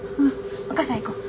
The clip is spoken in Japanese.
お母さん行こう。